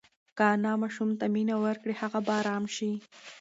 که انا ماشوم ته مینه ورکړي هغه به ارام شي.